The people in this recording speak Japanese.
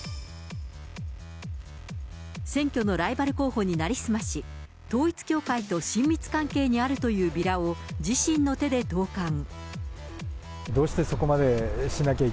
選挙のライバル候補に成り済まし、統一教会と親密関係にあるというビラを自身の手で投かん。